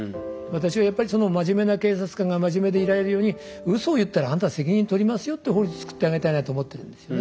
私はやっぱりその真面目な警察官が真面目でいられるようにウソを言ったらあんたが責任取りますよっていう法律作ってあげたいなと思ってるんですよね。